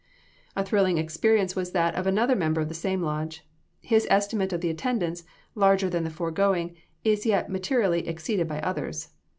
A thrilling experience was that of another member of the same lodge. His estimate of the attendance, larger than the foregoing, is yet materially exceeded by others.